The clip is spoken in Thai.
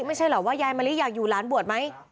ไม่ใช่หรอกว่ายายมะลิอยากอยู่หลานบวชไหม